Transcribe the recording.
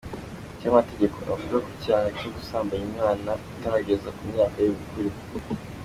Icyo amategeko avuga ku cyaha cyo gusambanya umwana utarageza ku myaka y’ ubukure.